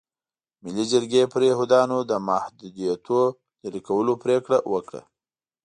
ملي جرګې پر یهودیانو د محدودیتونو لرې کولو پرېکړه وکړه.